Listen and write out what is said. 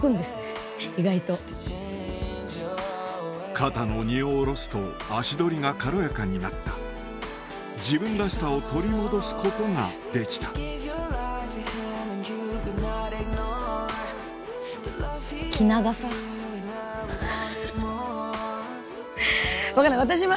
肩の荷を下ろすと足取りが軽やかになった自分らしさを取り戻すことができたハハハ。